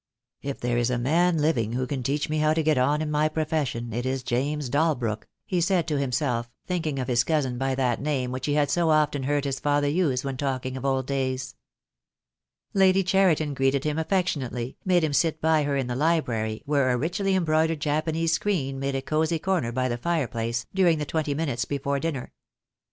"If there is a man living who can teach me how to get on in my profession it is James Dalbrook," he said to himself, thinking of his cousin by that name which he had so often heard his father use when talking of old days. Lady Cheriton greeted him affectionately, made him 2 go THE DAY WILL COME. sit by her in the library, where a richly embroidered Japanese screen made a cosy corner by the fireplace, during the twenty minutes before dinner.